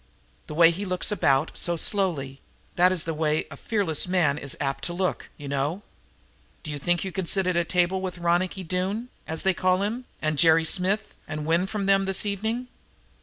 The way he looks about, so slowly that is the way a fearless man is apt to look, you know. Do you think you can sit at the table with Ronicky Doone, as they call him, and Jerry Smith and win from them this evening?"